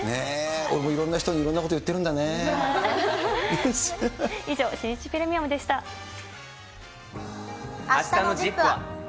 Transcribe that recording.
俺もいろんな人にいろんなこ以上、あしたのＺＩＰ！は。